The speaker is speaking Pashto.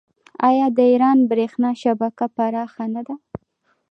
آیا د ایران بریښنا شبکه پراخه نه ده؟